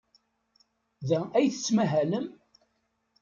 Da ay tettmahalem?